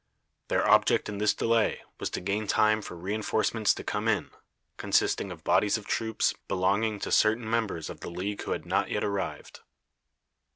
Their object in this delay was to gain time for re enforcements to come in, consisting of bodies of troops belonging to certain members of the league who had not yet arrived.